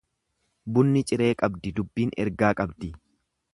Bunni ciree qabdi dubbiin ergaa qabdi.